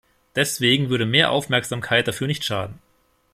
Deswegen würde mehr Aufmerksamkeit dafür nicht schaden.